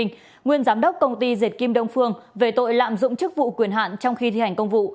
nguyên giám đốc công ty dệt kim đông phương về tội lạm dụng chức vụ quyền hạn trong khi thi hành công vụ